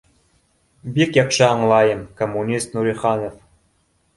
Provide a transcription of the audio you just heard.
— Бик яҡшы аңлайым, коммунист Нуриханов